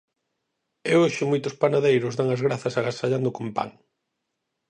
E hoxe moitos panadeiros dan as grazas agasallando con pan.